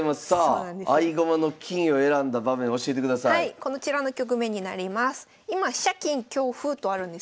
こちらの局面になります。